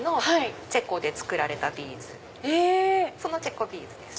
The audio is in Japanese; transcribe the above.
チェコで作られたビーズそのチェコビーズです。